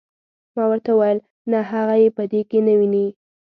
ما ورته وویل نه هغه یې په دې کې نه ویني.